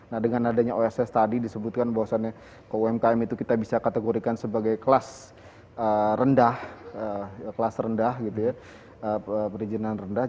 nah dengan adanya oss tadi disebutkan bahwasannya umkm itu kita bisa kategorikan sebagai kelas rendah kelas rendah gitu ya perizinan rendah